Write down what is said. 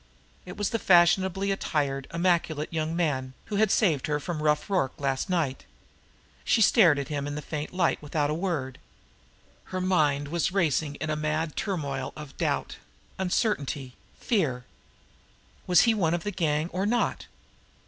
It was the fashionably attired, immaculate young man, who had saved her from Rough Rorke last night. She stared at him in the faint light without a word. Her mind was racing in a mad turmoil of doubt, uncertainty, fear. Was he one of the gang, or not?